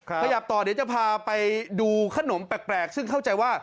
ขยับต่อเดี๋ยวจะพาไปดูขนมแปลกซึ่งเข้าใจว่า